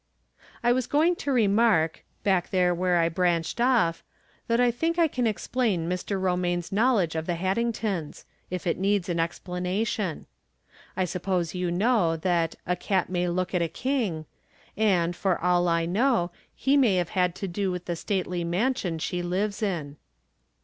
I was going to remark, back there where From Different Standpoints. 33 I branched off, that I think I can explain Mr. Eomaine's knowledge of the Haddingtons — if it needs an explanation. I suppose you know that " a cat may look at a king ;" and, for all I loiow, he may have had to do with the stately mansion she lives in.